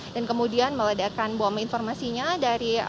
dan kemudian meledakan bom informasinya dari